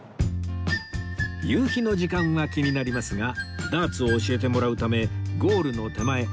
夕日の時間は気になりますがダーツを教えてもらうためゴールの手前